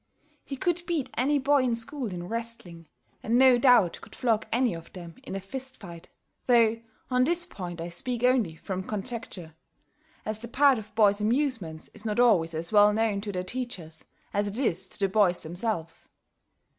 He could beat any boy in school in wrestling, and no doubt could flog any of them in a fist fight, though on this point I speak only from conjecture, as this part of boys' amusements is not always as well known to their teachers as it is to the boys themselves.